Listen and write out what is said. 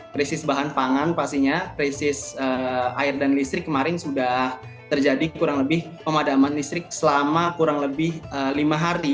krisis bahan pangan pastinya krisis air dan listrik kemarin sudah terjadi kurang lebih pemadaman listrik selama kurang lebih lima hari